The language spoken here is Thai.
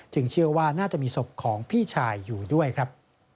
เชื่อว่าน่าจะมีศพของพี่ชายอยู่ด้วยครับ